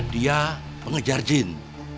dia pengejar jin